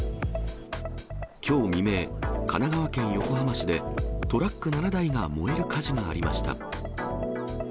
きょう未明、神奈川県横浜市で、トラック７台が燃える火事がありました。